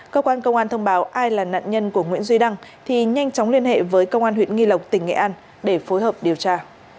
cơ quan công an thông báo ai là nạn nhân của nguyễn duy đăng thì nhanh chóng liên hệ với công an huyện nghi lộc tỉnh nghệ an để phối hợp điều tra